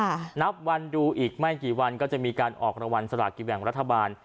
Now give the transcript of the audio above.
ค่ะนับวันดูอีกไม่กี่วันก็จะมีการออกรวรรณสละกิแมกรรภบรัฐบาล